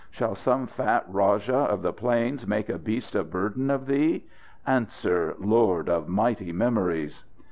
Shall some fat rajah of the plains make a beast of burden of thee? Answer, lord of mighty memories!"